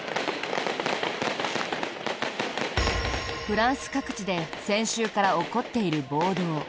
フランス各地で先週から起こっている暴動。